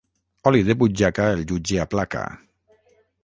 Oli de butxaca el jutge aplaca.